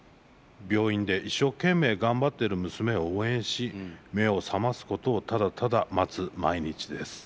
病院で一生懸命頑張ってる娘を応援し目を覚ますことをただただ待つ毎日です」。